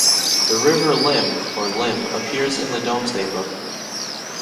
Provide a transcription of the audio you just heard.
The River Lym (or Lim) appears in the "Domesday Book".